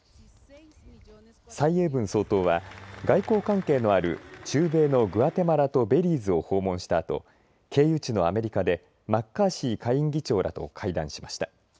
蔡英文総統は外交関係のある、中米のグアテマラとベリーズを訪問したあと経由地のアメリカでマッカーシー下院議長らと会談しました。